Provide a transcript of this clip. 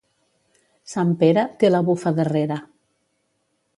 Sant Pere té la bufa darrere.